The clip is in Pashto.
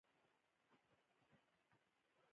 په سرک جوړونه کې د لاندنۍ طبقې خاوره باید مقاومت ولري